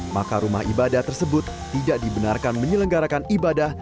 maka rumah ibadah tersebut tidak dibenarkan menyelenggarakan ibadah